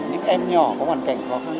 những em nhỏ có hoàn cảnh khó khăn